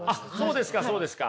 そうですかそうですか。